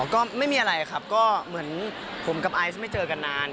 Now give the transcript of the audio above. ก็ไม่มีอะไรครับก็เหมือนผมกับไอซ์ไม่เจอกันนาน